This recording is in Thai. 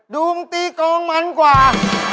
ดูมึงตีกองมันกว่า